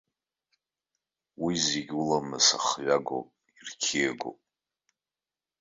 Уи зегьы уламыс ахҩагоуп, ирқьиагоуп.